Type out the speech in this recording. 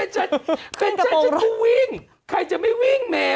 ใช่อ่ะสิ่งนี้